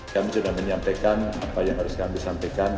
kami sudah menyampaikan apa yang harus kami sampaikan